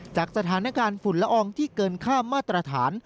จากสถานการณ์ฝุ่นละอองที่เกินค่ามาตรฐาน